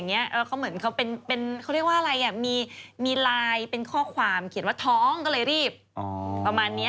เขาเรียกว่าอะไรมีไลน์เป็นข้อความเขียนว่าท้องก็เลยรีบประมาณนี้